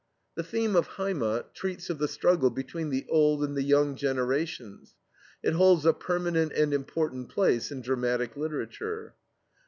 The theme of HEIMAT treats of the struggle between the old and the young generations. It holds a permanent and important place in dramatic literature.